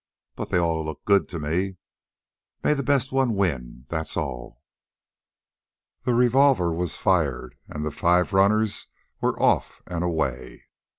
But they all look good to me. May the best one win, that's all." The revolver was fired, and the five runners were off and away.